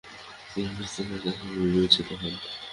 তিনি অসুস্থ সন্তান হিসাবে বিবেচিত হন।